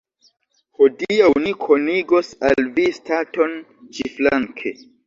Hodiaŭ ni konigos al vi staton ĉiflanke.